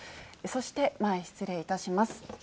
そして、前失礼いたします。